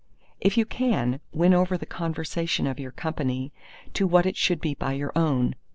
If you can, win over the conversation of your company to what it should be by your own.